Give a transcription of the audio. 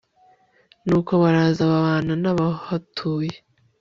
nuko baraza babana n'abahatuye